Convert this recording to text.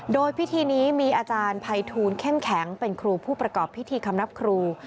โดยพิธีนี้มีอาจารย์ภัยทูลเข้มแข็งเป็นครูผู้ประกอบพิธีคำนับครู